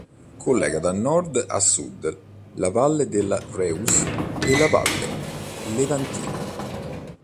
Collega da nord a sud la valle della Reuss e la valle Leventina.